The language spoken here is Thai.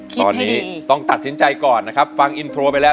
ตอนนี้ต้องตัดสินใจก่อนนะครับฟังอินโทรไปแล้ว